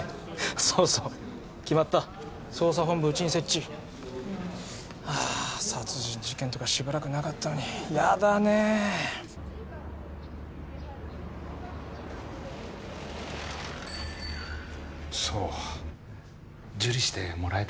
そうそう決まった捜査本部うちに設置あ殺人事件とかしばらくなかったのに嫌だねそう受理してもらえた？